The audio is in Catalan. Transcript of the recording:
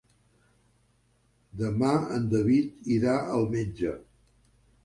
Demà en David irà al metge.